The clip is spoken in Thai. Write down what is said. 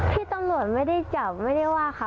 ที่ตำรวจไม่ได้จับไม่ได้ว่าค่ะ